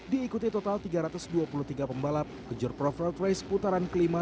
diikuti total tiga ratus dua puluh tiga pembalap kejur prof road race putaran kelima